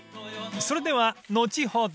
［それでは後ほど］